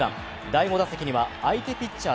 第５打席には相手ピッチャー